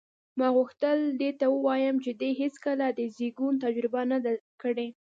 ما غوښتل دې ته ووایم چې دې هېڅکله د زېږون تجربه نه ده کړې.